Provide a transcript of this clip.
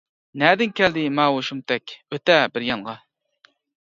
-نەدىن كەلدى ماۋۇ شۇمتەك، ئۆتە بىر يانغا.